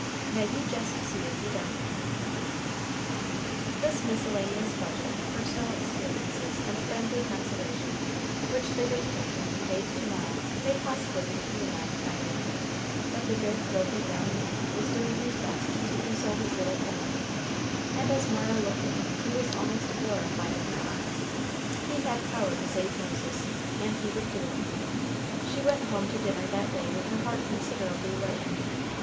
Now you jest see ef he don't!" This miscellaneous budget of personal experiences and friendly consolation which the good Captain conveyed to Mara may possibly make you laugh, my reader, but the good, ropy brown man was doing his best to console his little friend; and as Mara looked at him he was almost glorified in her eyes he had power to save Moses, and he would do it. She went home to dinner that day with her heart considerably lightened.